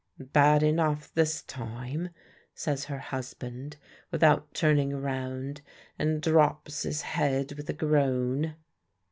"Bad enough, this time," says her husband, without turning round; and drops his head with a groan.